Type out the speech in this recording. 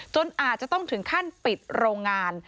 อาจจะต้องถึงขั้นปิดโรงงาน